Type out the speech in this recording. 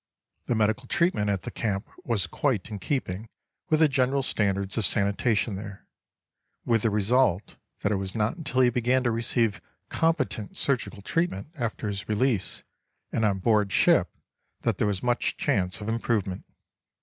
The medical treatment at the camp was quite in keeping with the general standards of sanitation there; with the result that it was not until he began to receive competent surgical treatment after his release and on board ship that there was much chance of improvement.